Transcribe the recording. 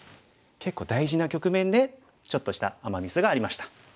結構大事な局面でちょっとしたアマ・ミスがありました。